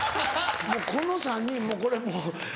もうこの３人これもう。